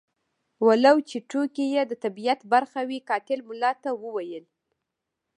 ولو چې ټوکې یې د طبیعت برخه وې قاتل ملا ته وویل.